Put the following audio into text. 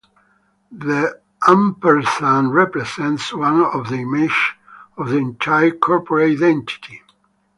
The ampersand represents one of the images of the entire corporate identity.